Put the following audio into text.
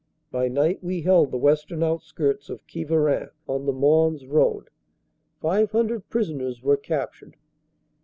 By night we held the western outskirts of Quievrain, on the Mons road. Five hundred prisoners were captured.